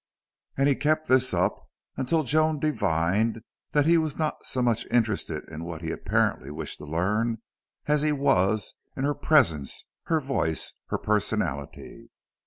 And he kept this up until Joan divined that he was not so much interested in what he apparently wished to learn as he was in her presence, her voice, her personality.